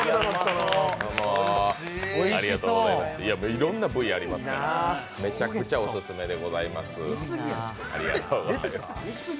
いろんな部位ありますから、めちゃくちゃオススメでございます。